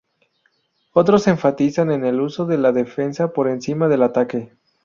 Otros enfatizan en el uso de la defensa por encima del ataque.